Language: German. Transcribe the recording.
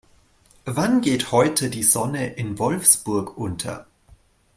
Wann geht heute die Sonne in Wolfsburg unter?